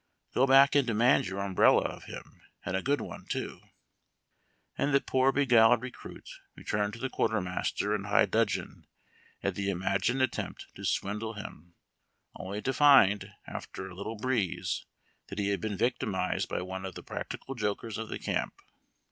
Go back and demmid your umbrella of him, and a good one too !" And the poor beguiled recruit returned to the quarter master in high dudgeon at the imagined attempt to swindle him, only to find, after a little breeze, that he had been victimized by one of the practical jokers of the camp.